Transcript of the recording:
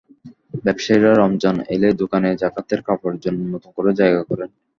ব্যবসায়ীরা রমজান এলেই দোকানে জাকাতের কাপড়ের জন্য নতুন করে জায়গা করেন।